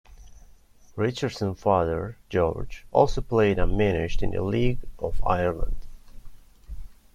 Richardson's father George also played and managed in the League of Ireland.